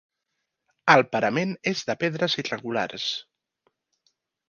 El parament és de pedres irregulars.